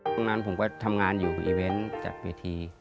ตรงนั้นผมก็ทำงานอยู่อีเวนต์จัดเวที